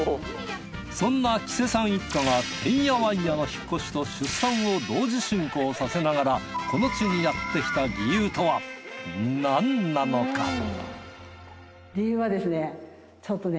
そんな黄瀬さん一家がてんやわんやの引っ越しと出産を同時進行させながらこの地にやってきた理由とはなんなのか？